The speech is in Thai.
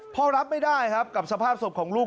รับไม่ได้ครับกับสภาพศพของลูก